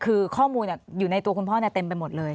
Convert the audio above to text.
คือข้อมูลอยู่ในตัวคุณพ่อเต็มไปหมดเลย